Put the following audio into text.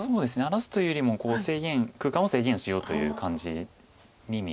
荒らすというよりも空間を制限しようという感じに見えます。